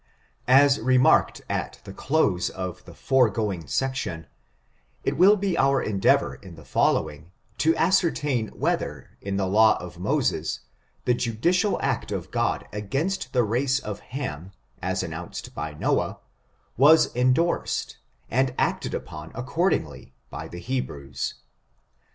As remarked al the close of the foregoing section,, it will be our endeavor in the following to ascertain whether, in the law of Moses, the judicial act of God against the race of Ham, as announced by Noah, was indorsed, and acted upon accordingly, by the Hebrews.